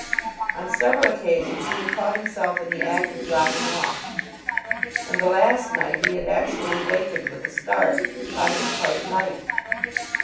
On several occasions he had caught himself in the act of dropping off, and the last night he had actually wakened with a start to find it quite light.